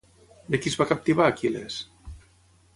De qui es va captivar Aquil·les?